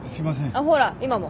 あっほら今も。